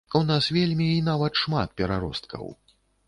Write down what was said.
У вас вельмі і нават шмат пераросткаў.